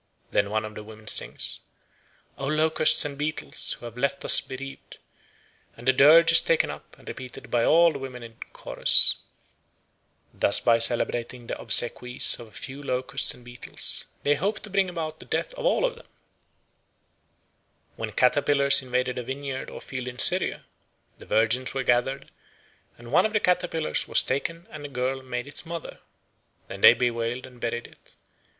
Then one of the women sings, "O locusts and beetles who have left us bereaved," and the dirge is taken up and repeated by all the women in chorus. Thus by celebrating the obsequies of a few locusts and beetles, they hope to bring about the death of them all. When caterpillars invaded a vineyard or field in Syria, the virgins were gathered, and one of the caterpillars was taken and a girl made its mother. Then they bewailed and buried it.